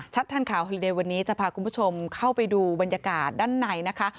ทันข่าวฮิเลวันนี้จะพาคุณผู้ชมเข้าไปดูบรรยากาศด้านในนะคะ